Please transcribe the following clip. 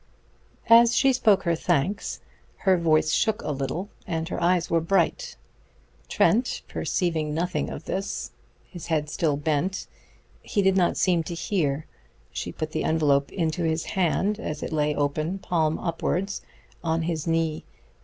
As she spoke her thanks her voice shook a little, and her eyes were bright. Trent perceived nothing of this. His head was still bent. He did not seem to hear. She put the envelop into his hand as it lay open, palm upwards, on his knee.